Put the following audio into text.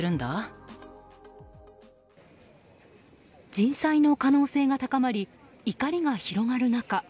人災の可能性が高まり怒りが広がる中